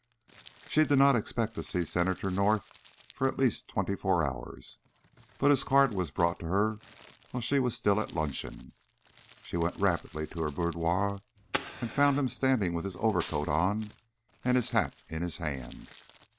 She did not expect to see Senator North for at least twenty four hours, but his card was brought to her while she was still at luncheon. She went rapidly to her boudoir, and found him standing with his overcoat on and his hat in his hand.